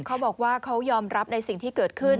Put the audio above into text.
เขาบอกว่าเขายอมรับในสิ่งที่เกิดขึ้น